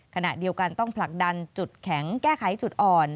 ขณะเดียวกันต้องผลักดันจุดแข็งแก้ไขจุดอ่อน